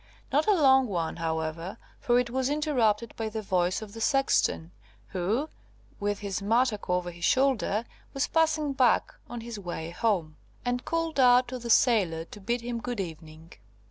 Not a long one, however, for it was interrupted by the voice of the sexton, who, with his mattock over his shoulder, was passing back on his way home, and called out to the sailor to bid him good evening.